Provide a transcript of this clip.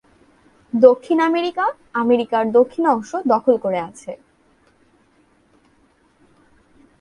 দক্ষিণ আমেরিকা, আমেরিকার দক্ষিণ অংশ দখল করে আছে।